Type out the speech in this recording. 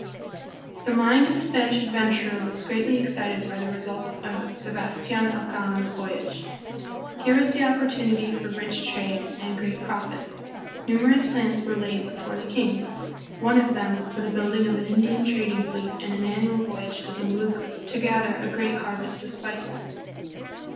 The mind of the Spanish adventurer was greatly excited by the results of Sebastian Elcano's voyage. Here was the opportunity for rich trade and great profit. Numerous plans were laid before the king, one of them for the build ing of an Indian trading fleet and an annual voyage to the Moluccas to gather a great harvest of spices.